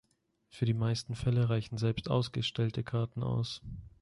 Für die meisten Fälle reichen selbst ausgestellte Karten aus.